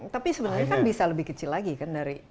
tapi sebenarnya kan bisa lebih kecil lagi kan dari